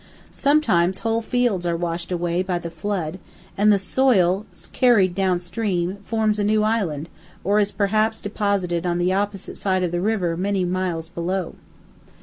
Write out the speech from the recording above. Sometimes whole fields are washed away by the flood, and the soil, carried down stream, forms a new island, or is perhaps deposited on the opposite side of the river many miles below.